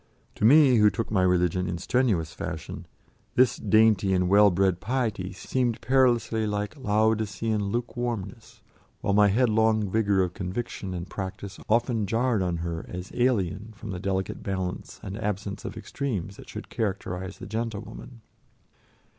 To me, who took my religion in strenuous fashion, this dainty and well bred piety seemed perilously like Laodicean lukewarmness, while my headlong vigour of conviction and practice often jarred on her as alien from the delicate balance and absence of extremes that should characterise the gentlewoman.